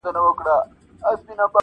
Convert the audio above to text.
په اُمید د مغفرت دي د کرم رحم مالِکه-